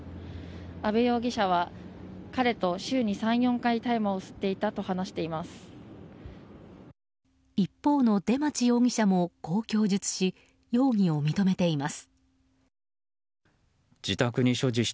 安部容疑者は彼と週に３４回大麻を吸っていたと一方の出町容疑者もこう供述し容疑を認めています。